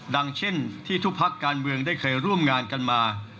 ดังเช่นที่ทุกพักการเมืองได้เคยร่วมงานกันมา